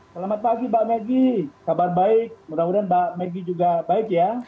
selamat pagi mbak meggy kabar baik mudah mudahan mbak meggy juga baik ya